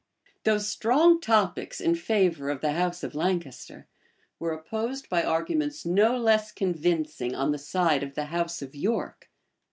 Those strong topics in favor of the house of Lancaster, were opposed by arguments no less convincing on the side of the house of York.